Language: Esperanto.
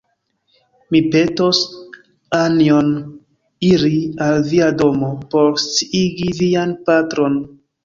Mi petos Anjon iri al via domo por sciigi vian patron.